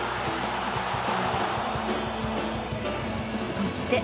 そして。